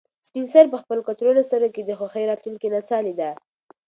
سپین سرې په خپل کڅوړنو سترګو کې د خوښۍ راتلونکې نڅا لیده.